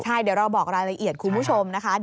ใช่เดี๋ยวเราบอกรายละเอียดคุณผู้ชมนะคะ